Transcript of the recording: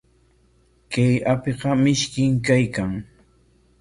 Kay apiqa mishkim kaykan.